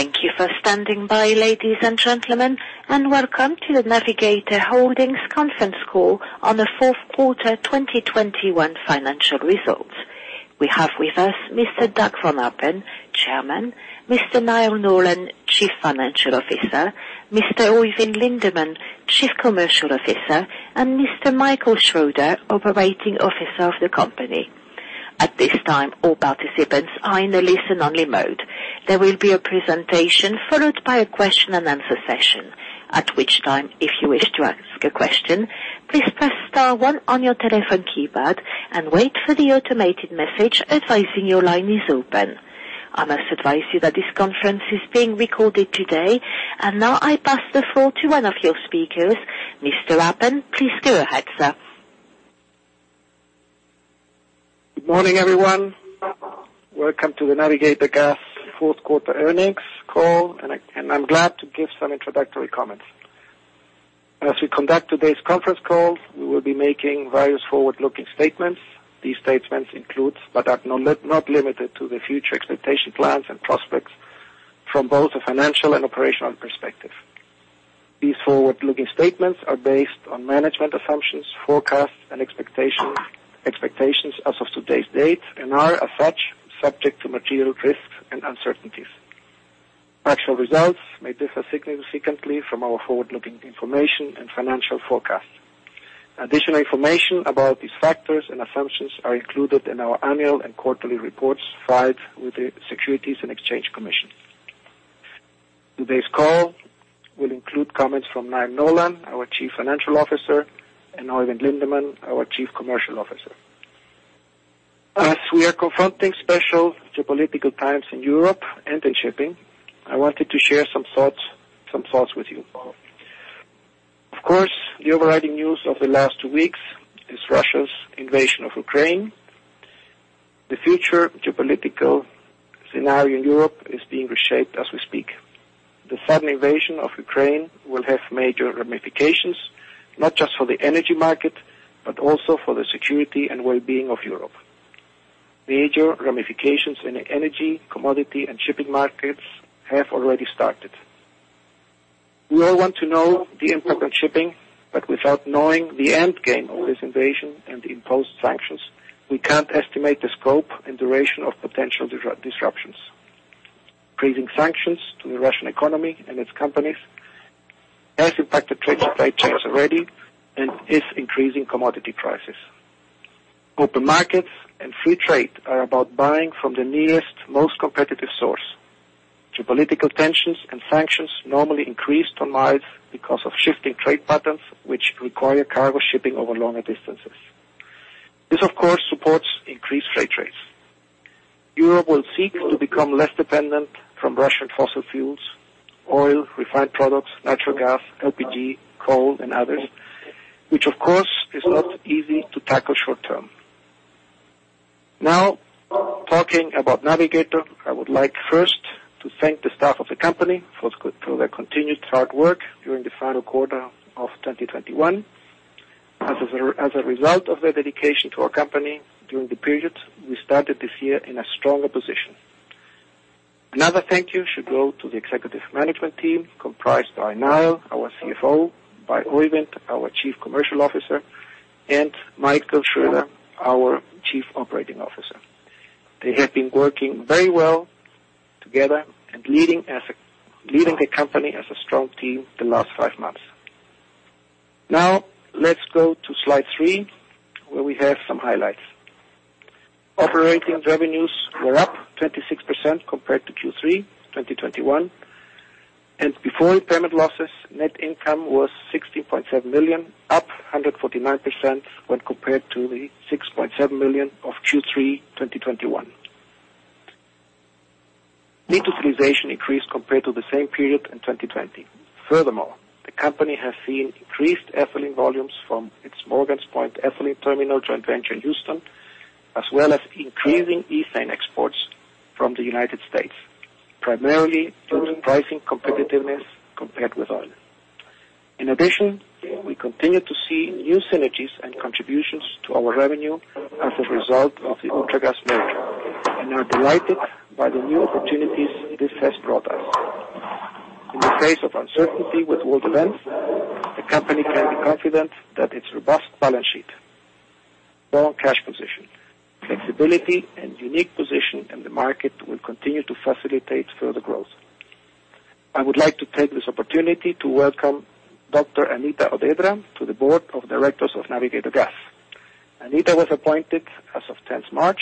Thank you for standing by, ladies and gentlemen, and welcome to the Navigator Holdings conference call on the fourth quarter 2021 financial results. We have with us Mr. Dag von Appen, Chairman, Mr. Niall Nolan, Chief Financial Officer, Mr. Øyvind Lindeman, Chief Commercial Officer, and Mr. Michael Schrader, Chief Operating Officer of the company. At this time, all participants are in a listen-only mode. There will be a presentation followed by a question-and-answer session, at which time, if you wish to ask a question, please press star one on your telephone keypad and wait for the automated message advising your line is open. I must advise you that this conference is being recorded today. Now I pass the floor to one of your speakers, Mr. von Appen. Please go ahead, sir. Good morning, everyone. Welcome to the Navigator Gas fourth quarter earnings call, and I'm glad to give some introductory comments. As we conduct today's conference call, we will be making various forward-looking statements. These statements include, but are not limited to, the future expectations, plans and prospects from both a financial and operational perspective. These forward-looking statements are based on management assumptions, forecasts and expectations as of today's date, and are, as such, subject to material risks and uncertainties. Actual results may differ significantly from our forward-looking information and financial forecasts. Additional information about these factors and assumptions are included in our annual and quarterly reports filed with the Securities and Exchange Commission. Today's call will include comments from Niall Nolan, our Chief Financial Officer, and Oeyvind Lindeman, our Chief Commercial Officer. As we are confronting special geopolitical times in Europe and in shipping, I wanted to share some thoughts with you. Of course, the overriding news of the last two weeks is Russia's invasion of Ukraine. The future geopolitical scenario in Europe is being reshaped as we speak. The sudden invasion of Ukraine will have major ramifications, not just for the energy market, but also for the security and well-being of Europe. Major ramifications in the energy, commodity and shipping markets have already started. We all want to know the impact on shipping, but without knowing the end game of this invasion and the imposed sanctions, we can't estimate the scope and duration of potential disruptions. Increasing sanctions to the Russian economy and its companies has impacted trade supply chains already and is increasing commodity prices. Open markets and free trade are about buying from the nearest, most competitive source. Geopolitical tensions and sanctions normally increase ton miles because of shifting trade patterns, which require cargo shipping over longer distances. This, of course, supports increased freight rates. Europe will seek to become less dependent from Russian fossil fuels, oil, refined products, natural gas, LPG, coal and others, which of course is not easy to tackle short-term. Now, talking about Navigator, I would like first to thank the staff of the company for their continued hard work during the final quarter of 2021. As a result of their dedication to our company during the period, we started this year in a stronger position. Another thank you should go to the executive management team comprised by Niall, our CFO, by Oeyvind, our Chief Commercial Officer, and Michael Schrader, our Chief Operating Officer. They have been working very well together and leading the company as a strong team the last five months. Now, let's go to slide three, where we have some highlights. Operating revenues were up 26% compared to Q3 2021. Before impairment losses, net income was $16.7 million, up 149% when compared to the $6.7 million of Q3 2021. Net utilization increased compared to the same period in 2020. Furthermore, the company has seen increased ethylene volumes from its Morgan's Point Ethylene Terminal joint venture in Houston, as well as increasing ethane exports from the United States, primarily due to pricing competitiveness compared with oil. In addition, we continue to see new synergies and contributions to our revenue as a result of the Ultragas merger, and are delighted by the new opportunities this has brought us. In the face of uncertainty with world events, the company can be confident that its robust balance sheet, strong cash position, flexibility and unique position in the market will continue to facilitate further growth. I would like to take this opportunity to welcome Dr. Anita Odedra to the board of directors of Navigator Gas. Anita was appointed as of March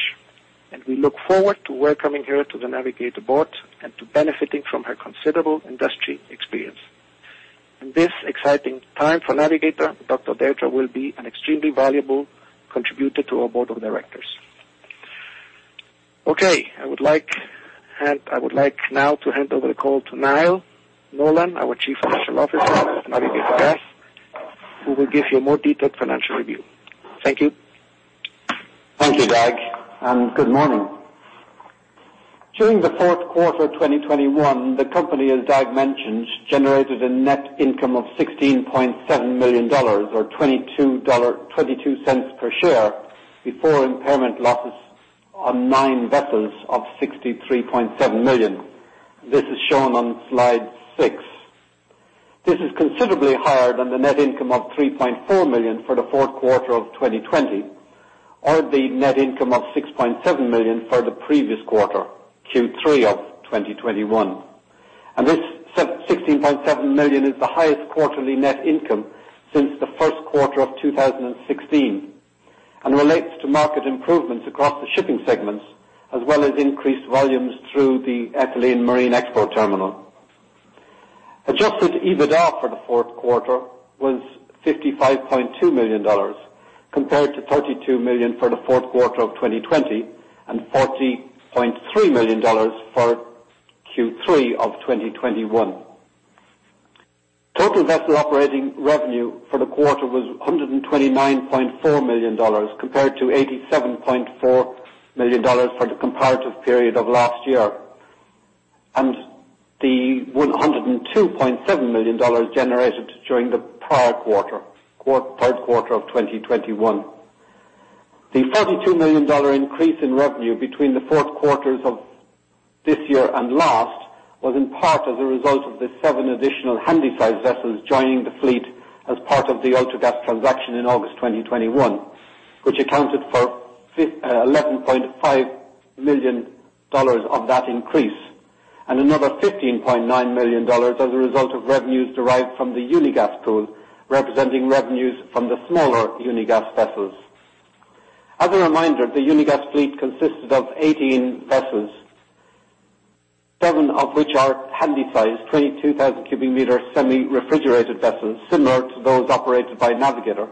10, and we look forward to welcoming her to the Navigator board and to benefiting from her considerable industry experience. In this exciting time for Navigator, Dr. Odedra will be an extremely valuable contributor to our board of directors. Okay, I would like now to hand over the call to Niall Nolan, our Chief Financial Officer of Navigator Gas, who will give you a more detailed financial review. Thank you. Thank you, Dag, and good morning. During the fourth quarter of 2021, the company, as Dag mentioned, generated a net income of $16.7 million or $0.22 per share. Before impairment losses on nine vessels of $63.7 million. This is shown on slide six. This is considerably higher than the net income of $3.4 million for the fourth quarter of 2020, or the net income of $6.7 million for the previous quarter, Q3 of 2021. This $16.7 million is the highest quarterly net income since the first quarter of 2016 and relates to market improvements across the shipping segments, as well as increased volumes through the ethylene marine export terminal. Adjusted EBITDA for the fourth quarter was $55.2 million compared to $32 million for the fourth quarter of 2020 and $40.3 million for Q3 of 2021. Total vessel operating revenue for the quarter was $129.4 million compared to $87.4 million for the comparative period of last year, and the $102.7 million generated during the prior quarter, third quarter of 2021. The $42 million dollar increase in revenue between the fourth quarters of this year and last was in part as a result of the seven additional handysize vessels joining the fleet as part of the Ultragas transaction in August 2021, which accounted for eleven point five million dollars of that increase. Another fifteen point nine million dollars as a result of revenues derived from the Unigas pool, representing revenues from the smaller Unigas vessels. As a reminder, the Unigas fleet consisted of 18 vessels, seven of which are handysize, 22,000 cubic meters semi-refrigerated vessels similar to those operated by Navigator,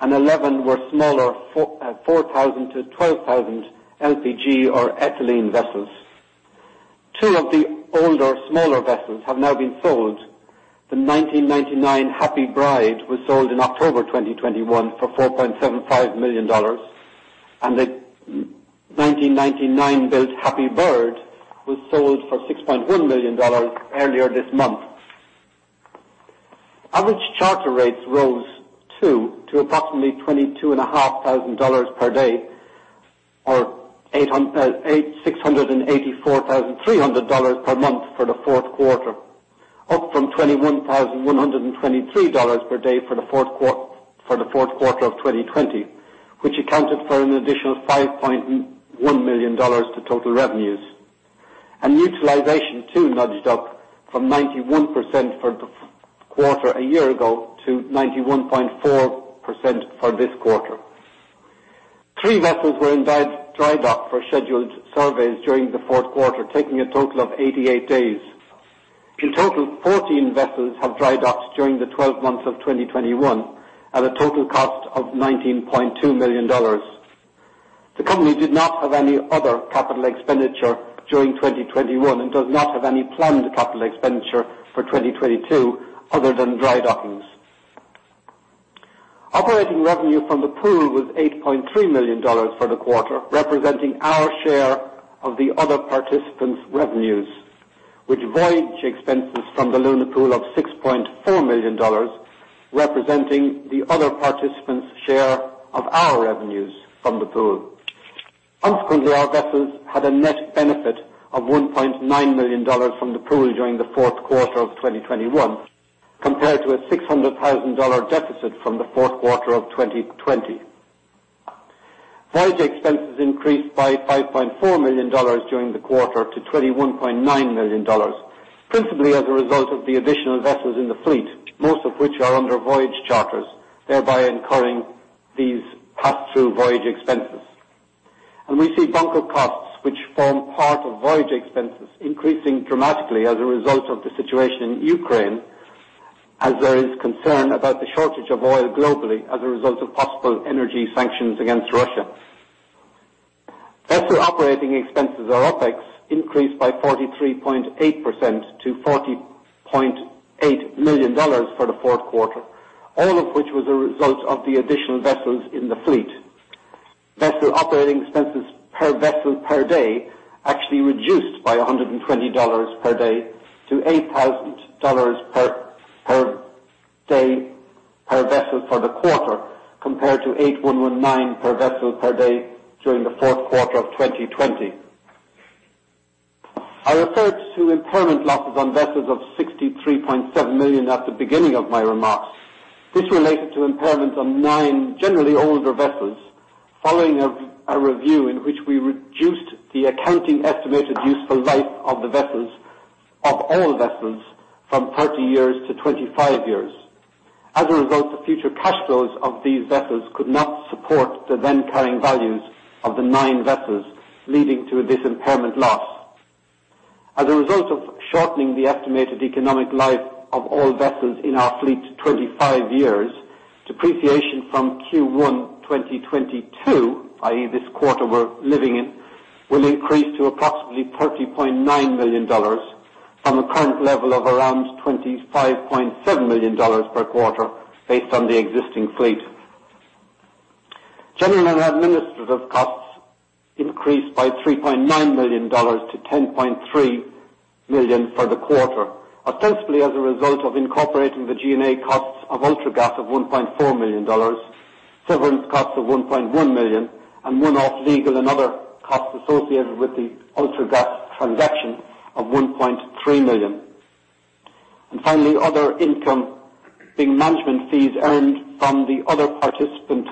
and 11 were smaller 4,000-12,000 LPG or ethylene vessels. Two of the older smaller vessels have now been sold. The 1999 Happy Bride was sold in October 2021 for $4.75 million, and the 1999-built Happy Bird was sold for $6.1 million earlier this month. Average charter rates rose too to approximately $22,500 per day, or $864,300 per month for the fourth quarter, up from $21,123 per day for the fourth quarter of 2020, which accounted for an additional $5.1 million to total revenues. Utilization too nudged up from 91% for the fourth quarter a year ago to 91.4% for this quarter. Three vessels were in dry dock for scheduled surveys during the fourth quarter, taking a total of 88 days. In total, 14 vessels have dry docked during the 12 months of 2021 at a total cost of $19.2 million. The company did not have any other capital expenditure during 2021 and does not have any planned capital expenditure for 2022 other than dry dockings. Operating revenue from the pool was $8.3 million for the quarter, representing our share of the other participants' revenues, with voyage expenses from the Luna Pool of $6.4 million, representing the other participants' share of our revenues from the pool. Consequently, our vessels had a net benefit of $1.9 million from the pool during the fourth quarter of 2021, compared to a $600 thousand dollar deficit from the fourth quarter of 2020. Voyage expenses increased by $5.4 million during the quarter to $21.9 million, principally as a result of the additional vessels in the fleet, most of which are under voyage charters, thereby incurring these pass-through voyage expenses. We see bunker costs, which form part of voyage expenses, increasing dramatically as a result of the situation in Ukraine, as there is concern about the shortage of oil globally as a result of possible energy sanctions against Russia. Vessel operating expenses or OpEx increased by 43.8% to $40.8 million for the fourth quarter, all of which was a result of the additional vessels in the fleet. Vessel operating expenses per vessel per day actually reduced by $120 per day to $8,000 per day per vessel for the quarter compared to $8,119 per vessel per day during the fourth quarter of 2020. I referred to impairment losses on vessels of $63.7 million at the beginning of my remarks. This related to impairment on nine generally older vessels following a review in which we reduced the accounting estimated useful life of all vessels from 30 years to 25 years. As a result, the future cash flows of these vessels could not support the then carrying values of the nine vessels, leading to this impairment loss. As a result of shortening the estimated economic life of all vessels in our fleet to 25 years, depreciation from Q1 2022, i.e. This quarter we're in will increase to approximately $30.9 million from a current level of around $25.7 million per quarter based on the existing fleet. General and administrative costs increased by $3.9 million to $10.3 million for the quarter, ostensibly as a result of incorporating the G&A costs of Ultragas of $1.4 million, severance costs of $1.1 million, and one-off legal and other costs associated with the Ultragas transaction of $1.3 million. Finally, other income being management fees earned from the other participant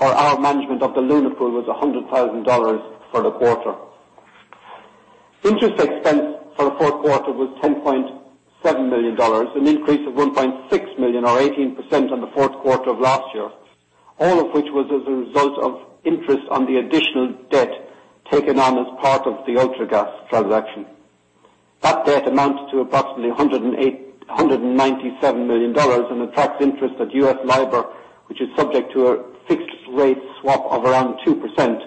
for our management of the Luna Pool was $100,000 for the quarter. Interest expense for the fourth quarter was $10.7 million, an increase of $1.6 million or 18% on the fourth quarter of last year, all of which was as a result of interest on the additional debt taken on as part of the Ultragas transaction. That debt amounts to approximately $197 million, and attracts interest at US LIBOR, which is subject to a fixed rate swap of around 2%,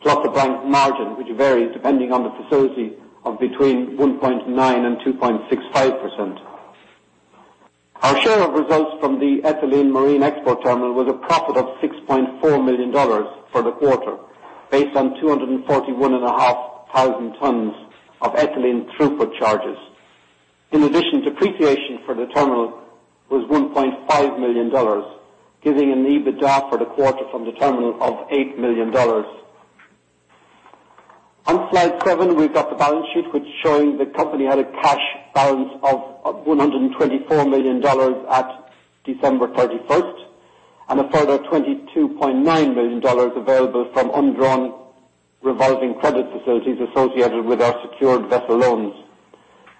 plus the bank's margin, which varies depending on the facility of between 1.9% and 2.65%. Our share of results from the Ethylene Marine Export Terminal was a profit of $6.4 million for the quarter, based on 241,500 tons of ethylene throughput charges. In addition, depreciation for the terminal was $1.5 million, giving an EBITDA for the quarter from the terminal of $8 million. On slide seven, we've got the balance sheet which is showing the company had a cash balance of $124 million at December 31, and a further $22.9 million available from undrawn revolving credit facilities associated with our secured vessel loans.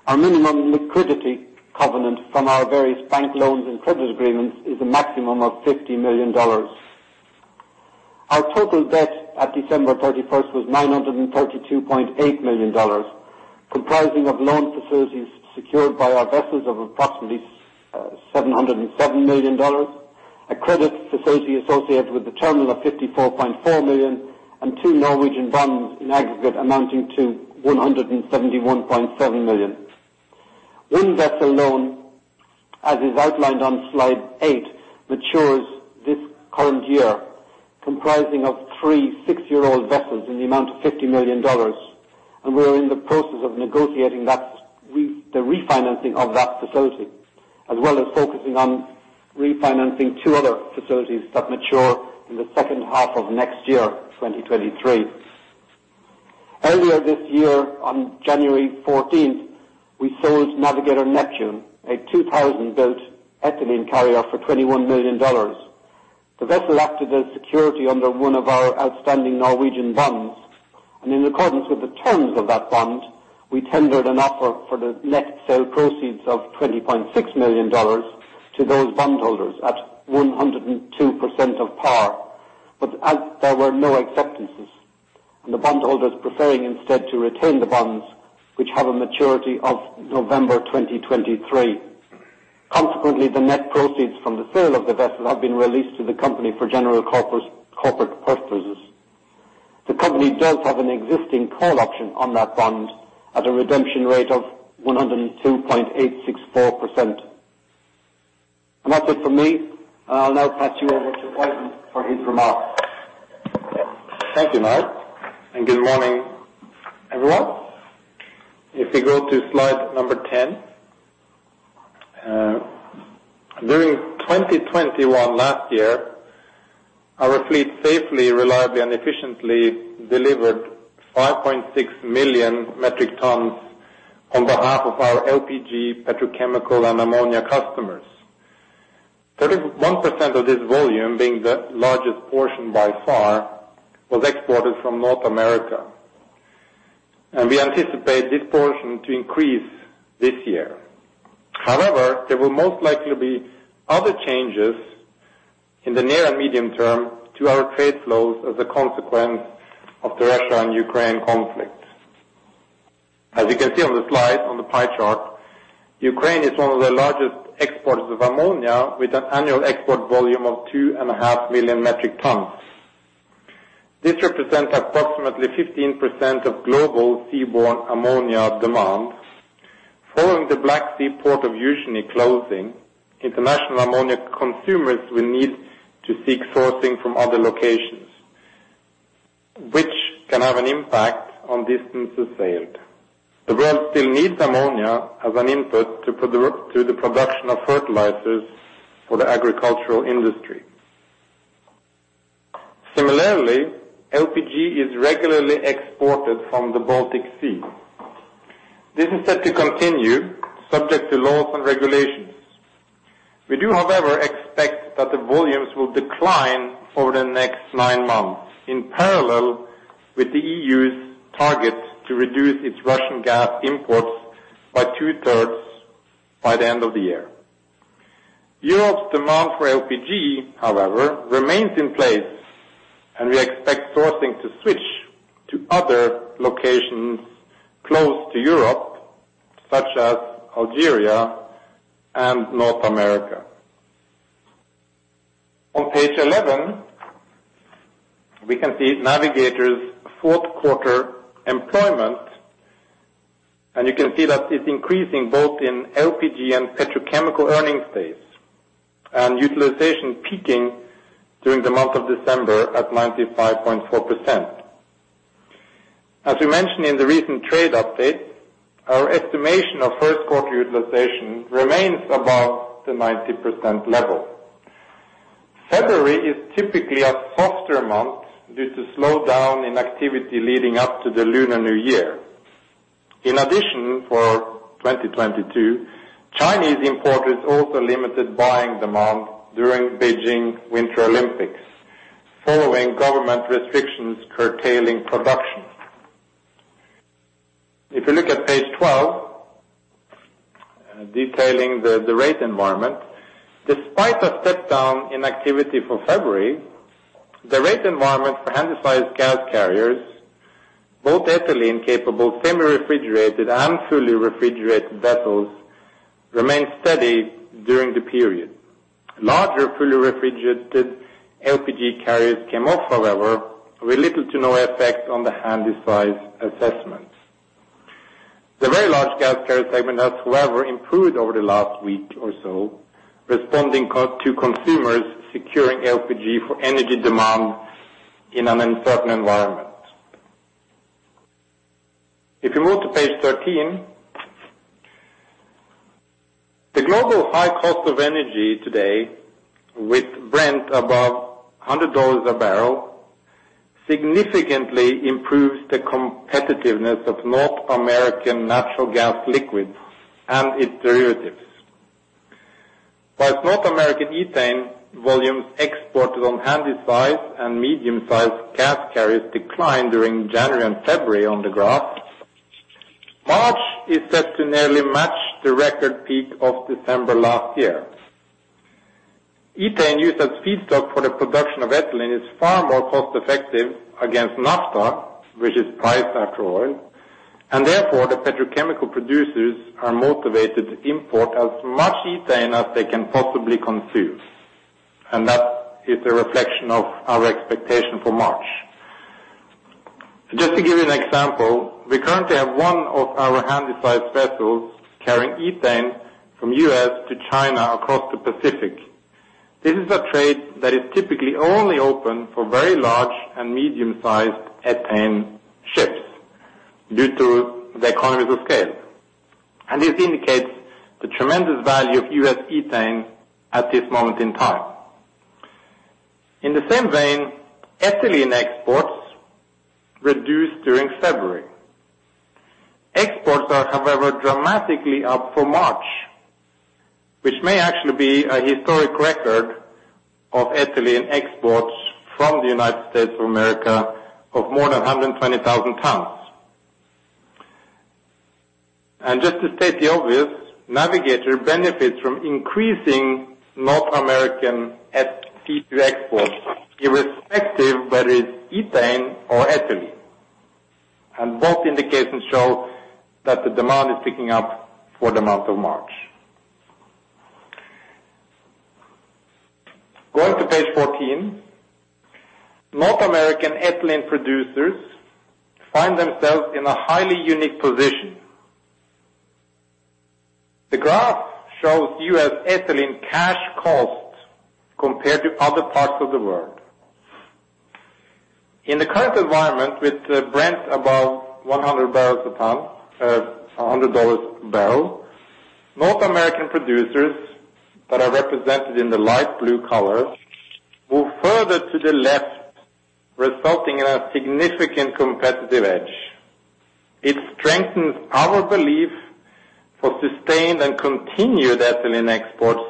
Our minimum liquidity covenant from our various bank loans and credit agreements is a maximum of $50 million. Our total debt at December 31 was $932.8 million, comprising of loan facilities secured by our vessels of approximately $707 million, a credit facility associated with the terminal of $54.4 million and two Norwegian bonds in aggregate amounting to $171.7 million. One vessel loan, as is outlined on slide eight, matures this current year, comprising of three six-year-old vessels in the amount of $50 million, and we are in the process of negotiating the refinancing of that facility, as well as focusing on refinancing two other facilities that mature in the second half of next year, 2023. Earlier this year, on January 14, we sold Navigator Neptune, a 2000-built ethylene carrier, for $21 million. The vessel acted as security under one of our outstanding Norwegian bonds, and in accordance with the terms of that bond, we tendered an offer for the net sale proceeds of $20.6 million to those bondholders at 102% of par. As there were no acceptances, and the bondholders preferring instead to retain the bonds, which have a maturity of November 2023. Consequently, the net proceeds from the sale of the vessel have been released to the company for general corporate purposes. The company does have an existing call option on that bond at a redemption rate of 102.864%. That's it for me. I'll now pass you over to Oyevind for his remarks. Thank you, Mark. Good morning, everyone. If we go to slide number 10. During 2021 last year, our fleet safely, reliably, and efficiently delivered 5.6 million metric tons on behalf of our LPG, petrochemical, and ammonia customers. 31% of this volume, being the largest portion by far, was exported from North America. We anticipate this portion to increase this year. However, there will most likely be other changes in the near and medium term to our trade flows as a consequence of the Russia and Ukraine conflict. As you can see on the slide on the pie chart, Ukraine is one of the largest exporters of ammonia with an annual export volume of 2.5 million metric tons. This represents approximately 15% of global seaborne ammonia demand. Following the Black Sea port of Yuzhny closing, international ammonia consumers will need to seek sourcing from other locations, which can have an impact on distances sailed. The world still needs ammonia as an input to the production of fertilizers for the agricultural industry. Similarly, LPG is regularly exported from the Baltic Sea. This is set to continue subject to laws and regulations. We do, however, expect that the volumes will decline over the next nine months, in parallel with the EU's target to reduce its Russian gas imports by two-thirds by the end of the year. Europe's demand for LPG, however, remains in place, and we expect sourcing to switch to other locations close to Europe, such as Algeria and North America. On page eleven, we can see Navigator's fourth quarter employment. You can see that it's increasing both in LPG and petrochemical earnings pace and utilization peaking during the month of December at 95.4%. As we mentioned in the recent trade update, our estimation of first quarter utilization remains above the 90% level. February is typically a softer month due to slowdown in activity leading up to the Lunar New Year. In addition, for 2022, Chinese importers also limited buying demand during Beijing Winter Olympics, following government restrictions curtailing production. If you look at page twelve, detailing the rate environment. Despite a step down in activity for February, the rate environment for handysize gas carriers, both ethylene capable, semi-refrigerated and fully refrigerated vessels remained steady during the period. Larger fully refrigerated LPG carriers came off, however, with little to no effect on the handysize assessments. The very large gas carrier segment has, however, improved over the last week or so, responding to consumers securing LPG for energy demand in an uncertain environment. If you move to page 13. The global high cost of energy today, with Brent above $100 a barrel, significantly improves the competitiveness of North American natural gas liquids and its derivatives. While North American ethane volumes exported on handysize and medium-sized gas carriers declined during January and February on the graph, March is set to nearly match the record peak of December last year. Ethane used as feedstock for the production of ethylene is far more cost effective against naphtha, which is priced natural oil, and therefore, the petrochemical producers are motivated to import as much ethane as they can possibly consume. That is a reflection of our expectation for March. Just to give you an example, we currently have one of our handysize vessels carrying ethane from U.S. to China across the Pacific. This is a trade that is typically only open for very large and medium-sized ethane ships due to the economies of scale. This indicates the tremendous value of U.S. ethane at this moment in time. In the same vein, ethylene exports reduced during February. Exports are, however, dramatically up for March, which may actually be a historic record of ethylene exports from the United States of America of more than 120,000 tons. Just to state the obvious, Navigator benefits from increasing North American ethane petchem exports, irrespective whether it's ethane or ethylene. Both indications show that the demand is picking up for the month of March. Going to page 14. North American ethylene producers find themselves in a highly unique position. The graph shows U.S. ethylene cash costs compared to other parts of the world. In the current environment, with Brent above 100 dollars a barrel, North American producers that are represented in the light blue color move further to the left, resulting in a significant competitive edge. It strengthens our belief for sustained and continued ethylene exports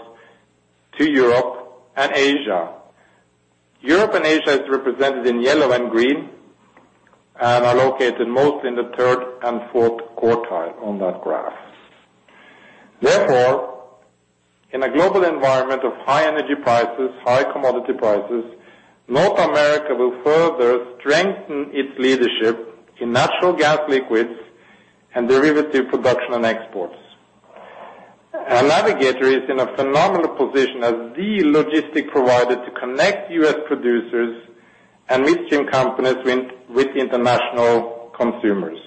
to Europe and Asia. Europe and Asia is represented in yellow and green, and are located mostly in the third and fourth quartile on that graph. Therefore, in a global environment of high energy prices, high commodity prices, North America will further strengthen its leadership in natural gas liquids and derivative production and exports. Navigator is in a phenomenal position as the logistics provider to connect U.S. producers and upstream companies with international consumers.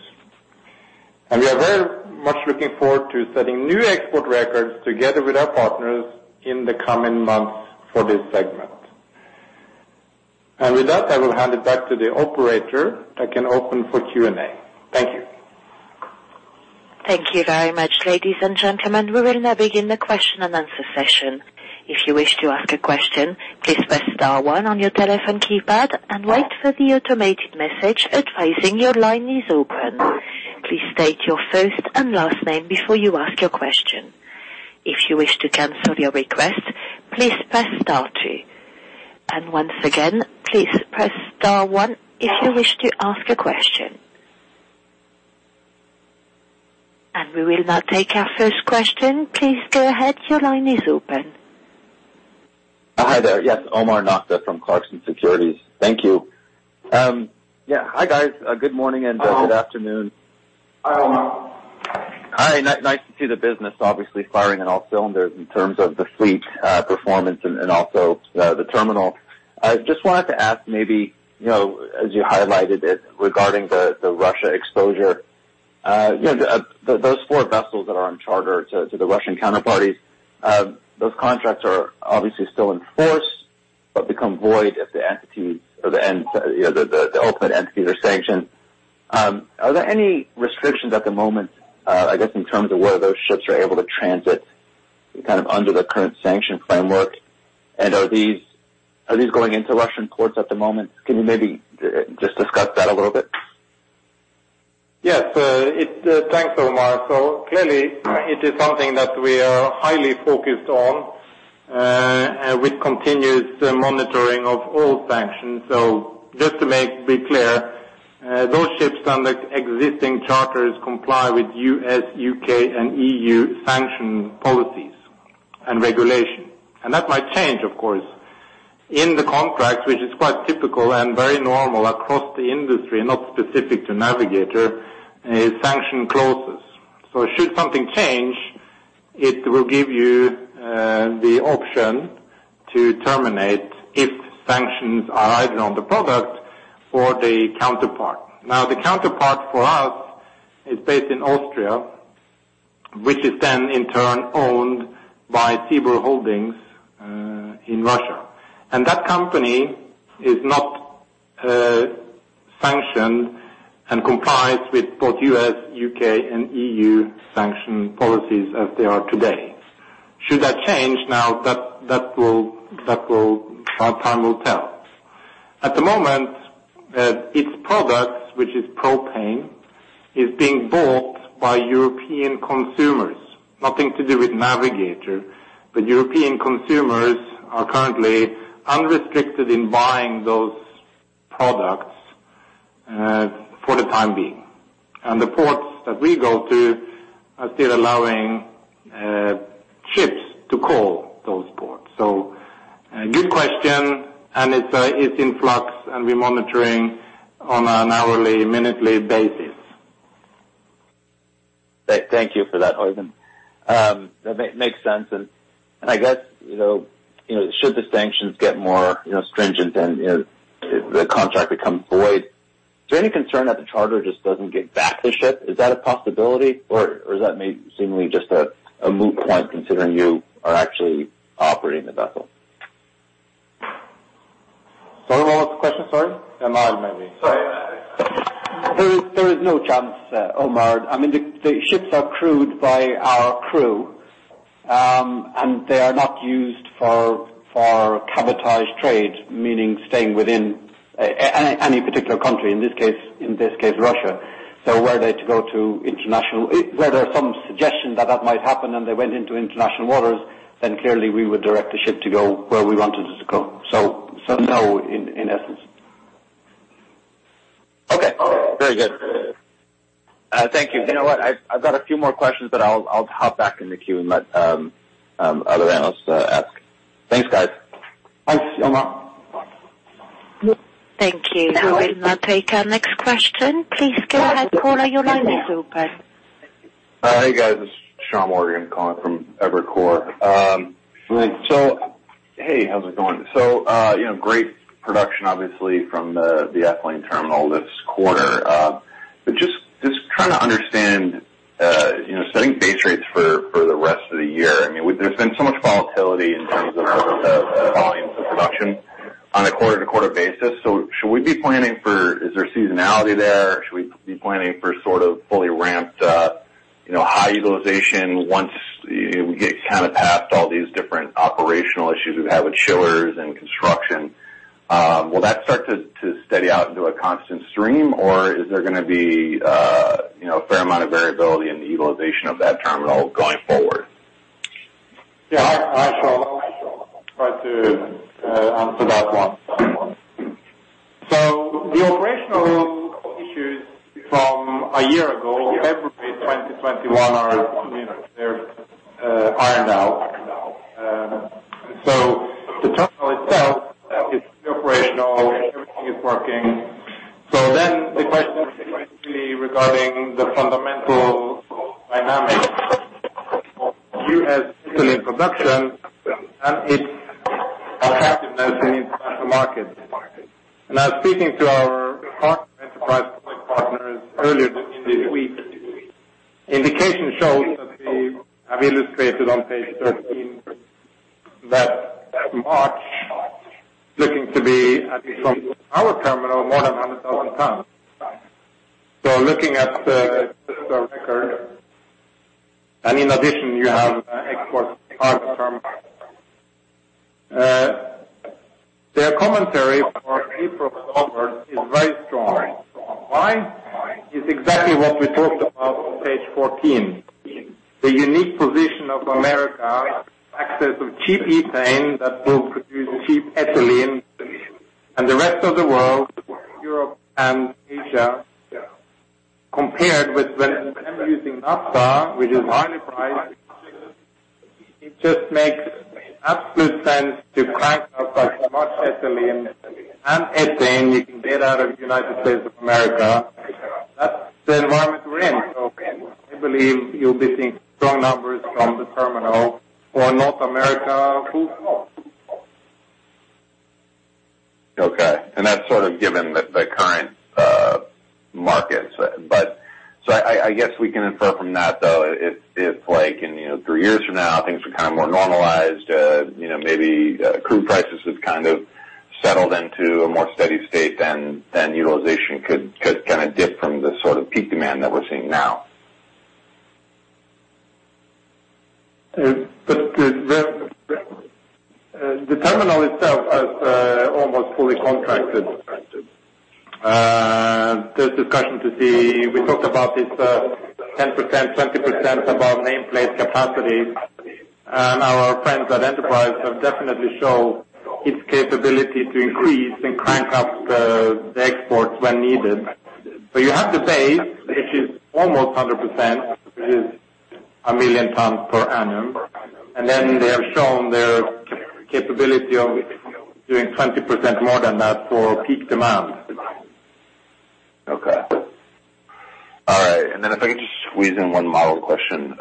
We are very much looking forward to setting new export records together with our partners in the coming months for this segment. With that, I will hand it back to the operator that can open for Q&A. Thank you. Thank you very much, ladies and gentlemen. We will now begin the question-and-answer session. If you wish to ask a question, please press star one on your telephone keypad and wait for the automated message advising your line is open. Please state your first and last name before you ask your question. If you wish to cancel your request, please press star two. Once again, please press star one if you wish to ask a question. We will now take our first question. Please go ahead. Your line is open. Hi there. Yes, Omar Nokta from Clarksons Securities. Thank you. Yeah. Hi, guys. Good morning and good afternoon. Hi, Omar. Hi. Nice to see the business obviously firing on all cylinders in terms of the fleet, performance and also the terminal. I just wanted to ask maybe, you know, as you highlighted it, regarding the Russia exposure, you know, those four vessels that are on charter to the Russian counterparties, those contracts are obviously still in force but become void if the entities or the end, you know, the ultimate entities are sanctioned. Are there any restrictions at the moment, I guess in terms of where those ships are able to transit kind of under the current sanction framework? And are these going into Russian ports at the moment? Can you maybe just discuss that a little bit? Thanks, Omar. Clearly it is something that we are highly focused on with continuous monitoring of all sanctions. Just to be clear, those ships under existing charters comply with U.S., UK, and EU sanction policies and regulation. That might change, of course. In the contracts, which is quite typical and very normal across the industry, not specific to Navigator, is sanction clauses. Should something change, it will give you the option to terminate if sanctions are either on the product or the counterpart. Now, the counterpart for us is based in Austria, which is then in turn owned by SIBUR Holding in Russia. That company is not sanctioned and complies with both U.S., UK, and EU sanction policies as they are today. Should that change now, time will tell. At the moment, its product, which is propane, is being bought by European consumers. Nothing to do with Navigator, but European consumers are currently unrestricted in buying those products, for the time being. The ports that we go to are still allowing ships to call those ports. Good question, and it's in flux, and we're monitoring on an hourly, minutely basis. Thank you for that, Øyvind. That makes sense. I guess, you know, should the sanctions get more, you know, stringent and the contract becomes void, is there any concern that the charter just doesn't get back to the ship? Is that a possibility or is that maybe seemingly just a moot point considering you are actually operating the vessel? Sorry, what was the question? Sorry. Omar, maybe. Sorry. There is no chance, Omar. I mean, the ships are crewed by our crew, and they are not used for cabotage trade, meaning staying within any particular country. In this case, Russia. Were they to go to international waters, if there were some suggestion that might happen and they went into international waters, then clearly we would direct the ship to go where we wanted it to go. No, in essence. Okay. Very good. Thank you. You know what? I've got a few more questions, but I'll hop back in the queue and let other analysts ask. Thanks, guys. Thanks, Omar. Thank you. We will now take our next question. Please go ahead, caller. Your line is open. Hey, guys. This is Sean Morgan calling from Evercore. Hi. Hey, how's it going? You know, great production obviously from the ethylene terminal this quarter. But just trying to understand, you know, setting base rates for the rest of the year. I mean, there's been so much volatility in terms of volumes of production on a quarter-to-quarter basis. Should we be planning for seasonality there, or should we be planning for sort of fully ramped up, you know, high utilization once, you know, we get kind of past all these different operational issues we've had with chillers and construction? Will that start to steady out into a constant stream, or is there gonna be, you know, a fair amount of variability in the utilization of that terminal going forward? Hi, Sean. I'll try to answer that one. The operational issues from a year ago, February 2021 are, you know, they're ironed out. The terminal itself is operational. Everything is working. The question is basically regarding the fundamental dynamics of U.S. ethylene production and its attractiveness in international markets. I was speaking to our partner, Enterprise Products Partners, earlier this week. Indications shows that we have illustrated on page 13 that March looking to be, at least from our terminal, more than 100,000 tons. Looking at the historical record, and in addition, you have export terminal. Their commentary for April and onwards is very strong. Why? It's exactly what we talked about on page 14. The unique position of America, access of cheap ethane that will produce cheap ethylene, and the rest of the world, Europe and Asia, compared with when using naphtha, which is highly priced, it just makes absolute sense to crank up as much ethylene and ethane you can get out of United States of America. That's the environment we're in. I believe you'll be seeing strong numbers from the terminal for North America full. Okay. That's sort of given the current markets. I guess we can infer from that, though, if like in, you know, three years from now, things are kind of more normalized, you know, maybe, crude prices have kind of settled into a more steady state then, utilization could kind of dip from the sort of peak demand that we're seeing now. The terminal itself is almost fully contracted. There's discussion to see. We talked about this, 10%, 20% above nameplate capacity. Our friends at Enterprise have definitely shown its capability to increase and crank up the exports when needed. You have the base, which is almost 100%, which is one million tons per annum. Then they have shown their capability of doing 20% more than that for peak demand. Okay. All right. Then if I could just squeeze in one model question.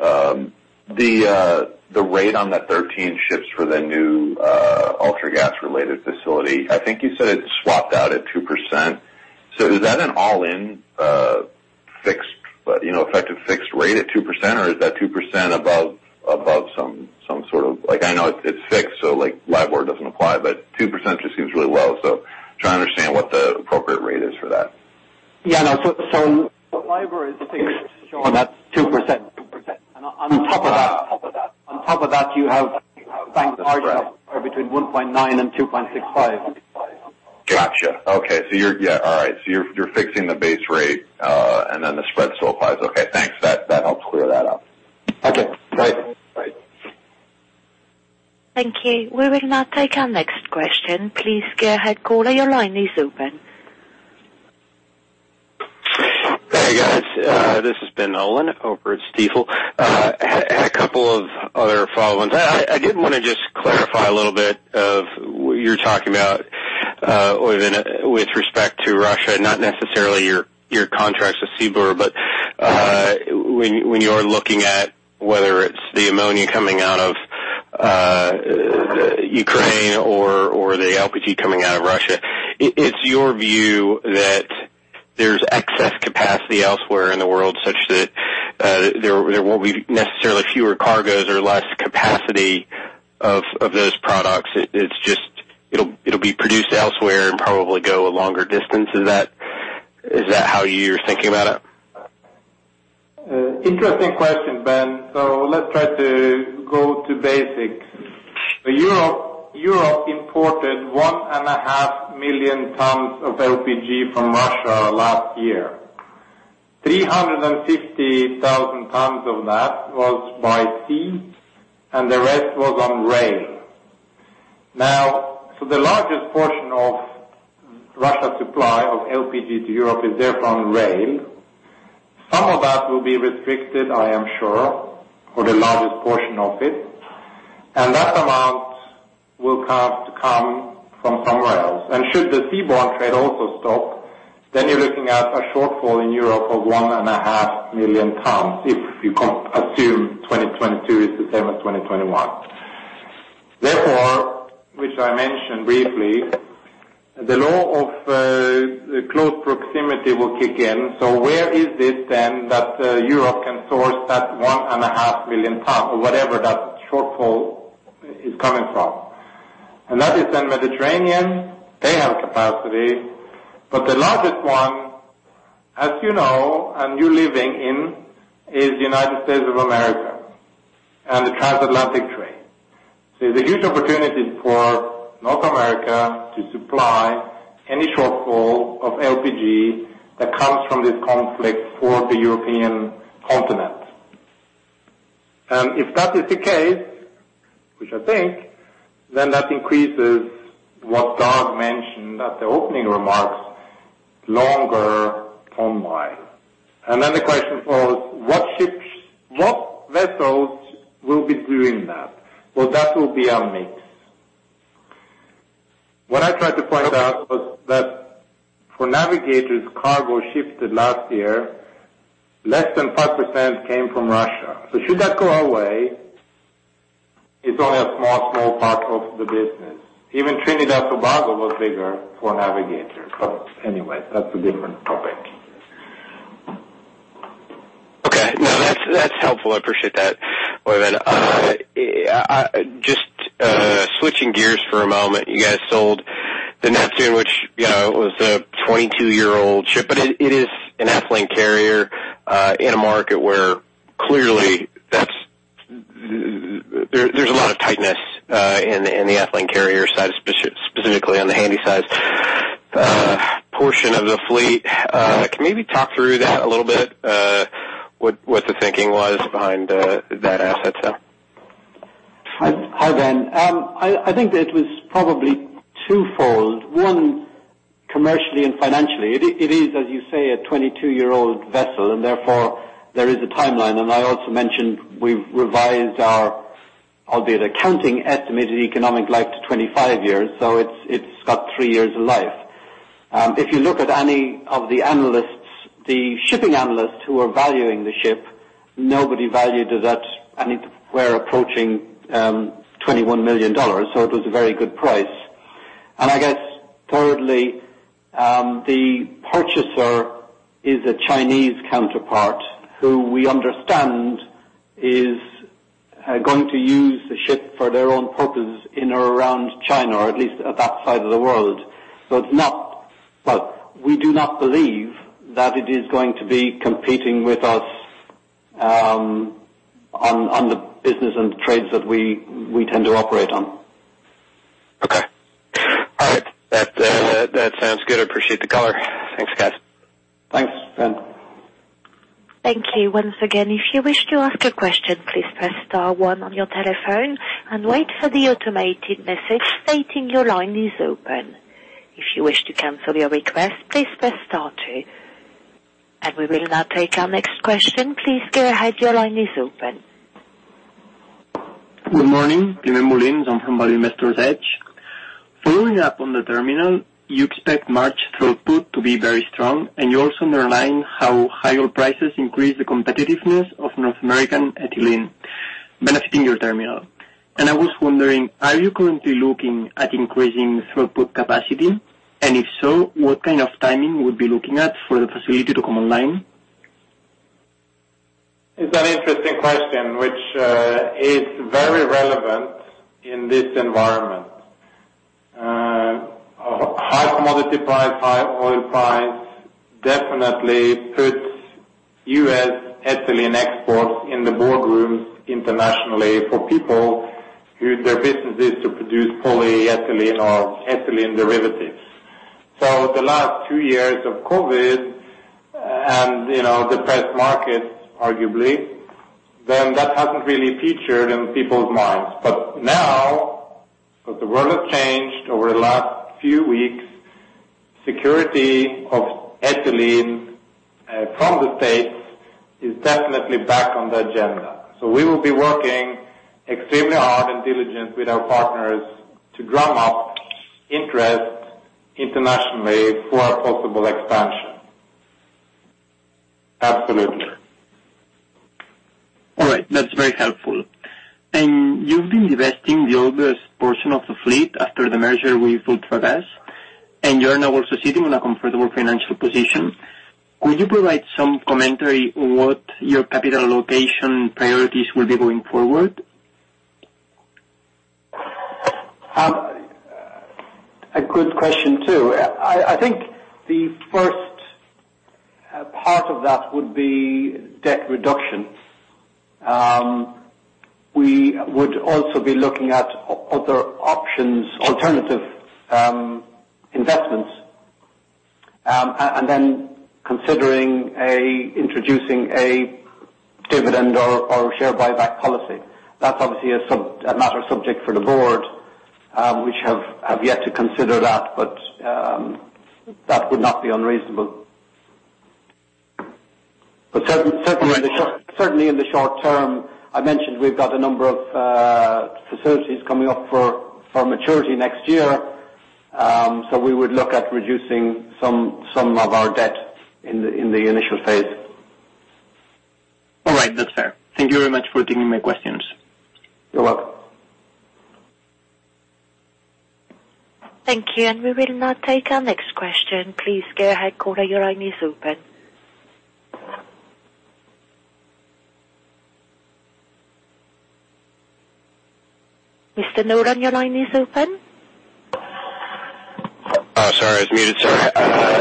The rate on the 13 ships for the new Ultragas related facility, I think you said it swapped out at 2%. Is that an all-in fixed, you know, effective fixed rate at 2%, or is that 2% above some sort of. Like I know it's fixed, so like LIBOR doesn't apply, but 2% just seems really low, so trying to understand what the appropriate rate is for that. Yeah, no. LIBOR is fixed on that 2%. On top of that, you have bank margin are between 1.9% and 2.65%. Gotcha. Okay. Yeah, all right. You're fixing the base rate, and then the spread still applies. Okay, thanks. That helps clear that up. Okay. Thanks. Bye. Thank you. We will now take our next question. Please go ahead caller, your line is open. Hey, guys. This is Ben Nolan over at Stifel. A couple of other follow-ons. I did wanna just clarify a little bit of what you're talking about with respect to Russia, not necessarily your contracts with SIBUR, but when you're looking at whether it's the ammonia coming out of Ukraine or the LPG coming out of Russia, it's your view that there's excess capacity elsewhere in the world such that there won't be necessarily fewer cargoes or less capacity of those products. It's just it'll be produced elsewhere and probably go a longer distance. Is that how you're thinking about it? Interesting question, Ben. Let's try to go to basics. Europe imported 1.5 million tons of LPG from Russia last year. 350,000 tons of that was by sea, and the rest was on rail. Now, the largest portion of Russia supply of LPG to Europe is there on rail. Some of that will be restricted, I am sure, or the largest portion of it, and that amount will have to come from somewhere else. Should the seaborne trade also stop, then you're looking at a shortfall in Europe of 1.5 million tons if you assume 2022 is the same as 2021. Therefore, which I mentioned briefly, the law of close proximity will kick in. Where is this then that Europe can source that 1.5 million tons or whatever that shortfall is coming from? That is then Mediterranean; they have capacity. The largest one, as you know and you're living in, is United States of America and the transatlantic trade. There's a huge opportunity for North America to supply any shortfall of LPG that comes from this conflict for the European continent. If that is the case, which I think, then that increases what Dag mentioned at the opening remarks, longer ton mile. The question follows, what ships, what vessels will be doing that? Well, that will be a mix. What I tried to point out was that for Navigator's cargo shipped last year, less than 5% came from Russia. Should that go away, it's only a small part of the business. Even Trinidad and Tobago was bigger for Navigator. Anyway, that's a different topic. Okay. No, that's helpful. I appreciate that. Wait a minute. Switching gears for a moment, you guys sold the Neptune, which, you know, was a 22-year-old ship, but it is an ethylene carrier in a market where clearly that's. There's a lot of tightness in the ethylene carrier side, specifically on the handysize portion of the fleet. Can you maybe talk through that a little bit, what the thinking was behind that asset sale? Hi, Ben. I think it was probably twofold. One, commercially and financially. It is, as you say, a 22-year-old vessel, and therefore, there is a timeline. I also mentioned we've revised our estimated economic life to 25 years, so it's got three years of life. If you look at any of the analysts, the shipping analysts who are valuing the ship, nobody valued it at anything approaching $21 million, so it was a very good price. I guess thirdly, the purchaser is a Chinese counterpart who we understand is going to use the ship for their own purposes in or around China or at least at that side of the world. So it's not. We do not believe that it is going to be competing with us on the business and trades that we tend to operate on. Okay. All right. That sounds good. I appreciate the color. Thanks, guys. Thanks, Ben. Thank you once again. If you wish to ask a question, please press star one on your telephone and wait for the automated message stating your line is open. If you wish to cancel your request, please press star two. And we will now take our next question. Please go ahead. Your line is open. Good morning. Clement Mullins. I'm from Value Investor's Edge. Following up on the terminal, you expect March throughput to be very strong, and you also underline how higher prices increase the competitiveness of North American ethylene benefiting your terminal. I was wondering, are you currently looking at increasing throughput capacity? If so, what kind of timing would be looking at for the facility to come online? It's an interesting question, which is very relevant in this environment. High commodity price, high oil price definitely puts U.S. ethylene exports in the boardrooms internationally for people who their business is to produce polyethylene or ethylene derivatives. The last two years of COVID and, you know, depressed markets arguably, then that hasn't really featured in people's minds. Now that the world has changed over the last few weeks, security of ethylene from the States is definitely back on the agenda. We will be working extremely hard and diligent with our partners to drum up interest internationally for a possible expansion. Absolutely. All right. That's very helpful. You've been divesting the oldest portion of the fleet after the merger with Ultragas, and you're now also sitting on a comfortable financial position. Could you provide some commentary what your capital allocation priorities will be going forward? A good question, too. I think the first part of that would be debt reduction. We would also be looking at other options, alternative investments, and then considering introducing a dividend or share buyback policy. That's obviously a subject matter for the board, which has yet to consider that, but that would not be unreasonable. Certainly in the short term, I mentioned we've got a number of facilities coming up for maturity next year, so we would look at reducing some of our debt in the initial phase. All right. That's fair. Thank you very much for taking my questions. You're welcome. Thank you. We will now take our next question. Please go ahead, caller. Your line is open. Mr. Nolan, your line is open. Oh, sorry, I was muted, sir.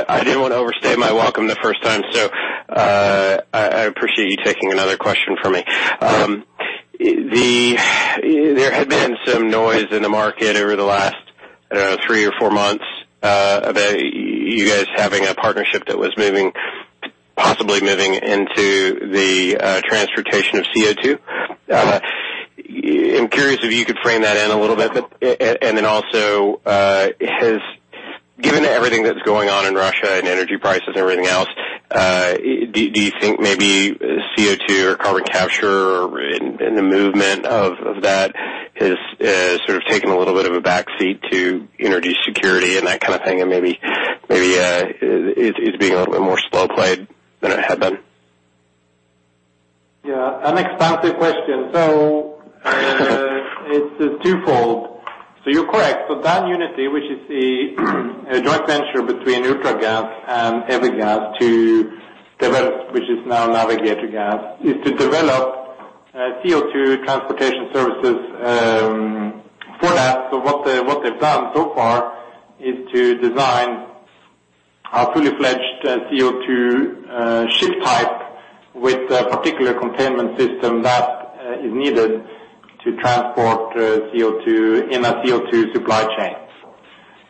I didn't wanna overstay my welcome the first time, so I appreciate you taking another question from me. There had been some noise in the market over the last, I don't know, three or four months, about you guys having a partnership that was possibly moving into the transportation of CO2. I'm curious if you could frame that in a little bit. And then also, given everything that's going on in Russia and energy prices and everything else, do you think maybe CO2 or carbon capture and the movement of that has sort of taken a little bit of a backseat to energy security and that kind of thing and maybe is being a little bit more slow played than it had been? Yeah. An expansive question. It's twofold. You're correct. Dan-Unity, which is a joint venture between Ultragas and Evergas to develop, which is now Navigator Gas, is to develop, CO2 transportation services, for that. What they've done so far is to design a fully-fledged CO2 ship type with a particular containment system that is needed to transport, CO2 in a CO2 supply chain.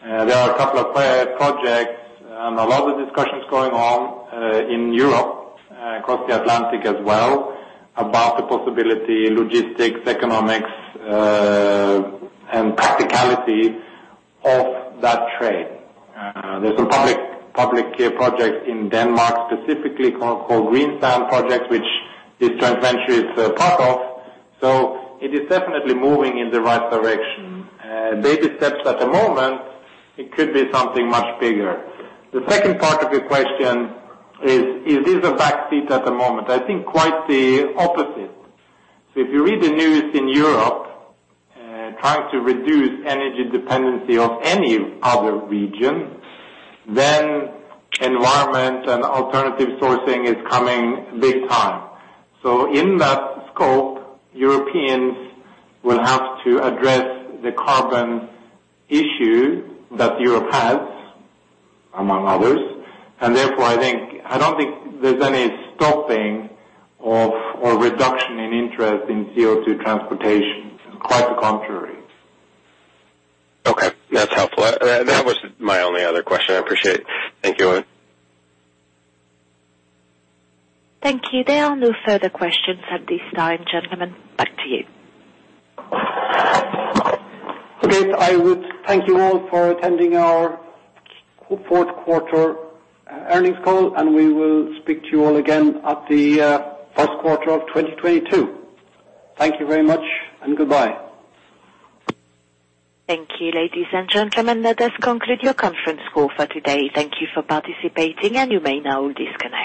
There are a couple of projects and a lot of discussions going on, in Europe, across the Atlantic as well, about the possibility, logistics, economics, and practicality of that trade. There's a public project in Denmark specifically called Project Greensand, which this joint venture is a part of. It is definitely moving in the right direction. Baby steps at the moment, it could be something much bigger. The second part of your question is this a backseat at the moment? I think quite the opposite. If you read the news in Europe, trying to reduce energy dependency of any other region, then environment and alternative sourcing is coming big time. In that scope, Europeans will have to address the carbon issue that Europe has, among others. Therefore, I think I don't think there's any stopping of or reduction in interest in CO2 transportation. Quite the contrary. Okay. That's helpful. That was my only other question. I appreciate it. Thank you. Thank you. There are no further questions at this time. Gentlemen, back to you. Okay. I would thank you all for attending our fourth quarter earnings call, and we will speak to you all again at the first quarter of 2022. Thank you very much, and goodbye. Thank you, ladies and gentlemen. That does conclude your conference call for today. Thank you for participating, and you may now disconnect.